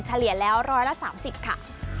เฉลี่ยแล้วร้อยละ๓๐ค่ะ